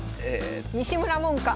西村門下。